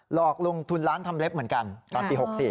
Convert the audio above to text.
หลอกลงทุนร้านทำเล็บเหมือนกันตอนปี๖๔